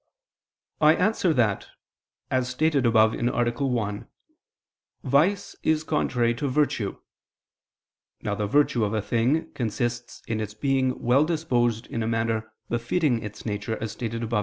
I answer that, As stated above (A. 1), vice is contrary to virtue. Now the virtue of a thing consists in its being well disposed in a manner befitting its nature, as stated above (A.